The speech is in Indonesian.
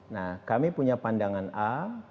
nah kami punya pandangan a